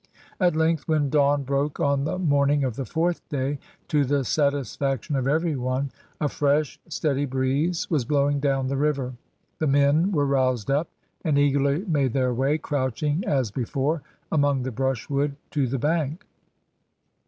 At length, when dawn broke on the morning of the fourth day, to the satisfaction of every one, a fresh steady breeze was blowing down the river. The men were roused up, and eagerly made their way, crouching as before, among the brushwood to the bank.